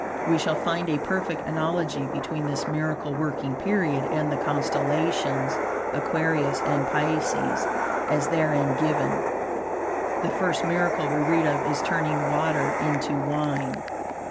We shall find a perfect analogy between this miracle working period and the constellations Aquarius and Pisces, as therein given. The first miracle we read of is turning water into wine.